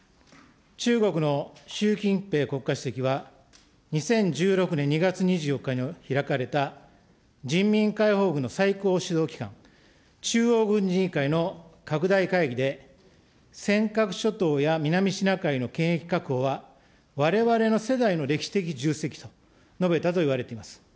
中国の習近平国家主席は、２０１６年２月２４日にひらかれた人民解放軍の最高指導機関、中央軍事委員会の拡大会議で、尖閣諸島や南シナ海の権益確保は、われわれの世代の歴史的重責と述べたといわれています。